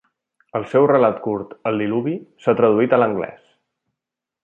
El seu relat curt "El diluvi" s'ha traduït a l'anglès.